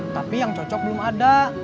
tapi yang cocok belum ada